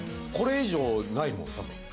これ以上ないもん。